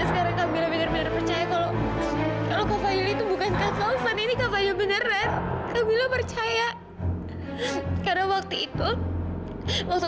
kalau kalau itu bukan kakau ini kamu beneran percaya karena waktu itu waktu